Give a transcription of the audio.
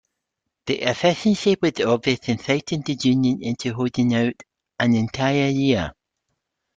The efficiency was obvious and frightened the union into holding out an entire year.